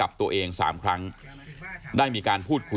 ร้องร้องร้องร้อง